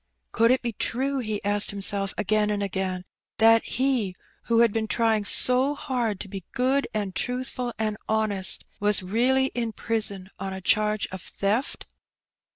Could it be true, he asked himself again and again, that he, who had been trying so hard to be good and truthful and honest, was really in prison on a charge of theft?